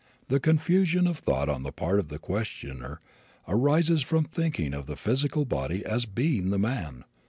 The confusion of thought on the part of the questioner arises from thinking of the physical body as being the man.